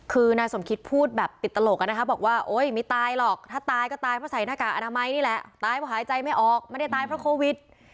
คือนายสมคิดพูดแบบติดตลกอะนะคะบอกว่าโอ๊ยไม่ตายหรอกถ้าตายก็ตายเพราะใส่หน้ากากอนามัยนี่แหละตายเพราะหายใจไม่ออกไม่ได้ตายเพราะโควิด